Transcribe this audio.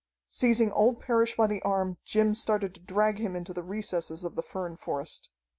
Seizing old Parrish by the arm, Jim started to drag him into the recesses of the fern forest.